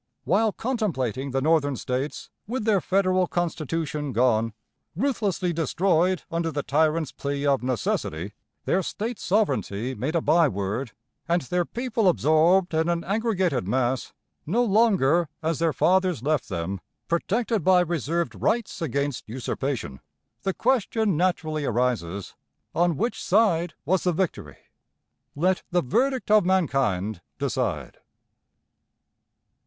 While contemplating the Northern States with their Federal Constitution gone, ruthlessly destroyed under the tyrant's plea of "necessity," their State sovereignty made a byword, and their people absorbed in an aggregated mass, no longer, as their fathers left them, protected by reserved rights against usurpation the question naturally arises: On which side was the victory? Let the verdict of mankind decide.